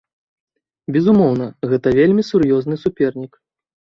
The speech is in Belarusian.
Безумоўна, гэта вельмі сур'ёзны супернік.